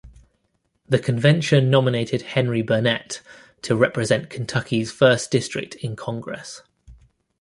The convention nominated Henry Burnett to represent Kentucky's First District in Congress.